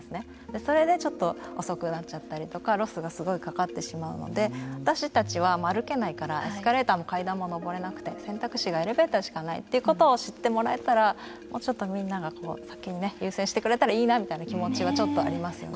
それでちょっと遅くなっちゃったりとかロスがすごいかかってしまうので私たちは歩けないからエスカレーターも階段も上れなくて選択肢がエレベーターしかないということを知ってもらえたらもうちょっと、みんなが先に優先してくれたらいいなみたいな気持ちはありますよね。